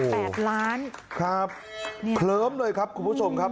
แปดล้านครับเคลิ้มเลยครับคุณผู้ชมครับ